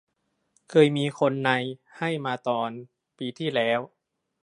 เคยมีคนใน ให้มาตอน ปีที่แล้ว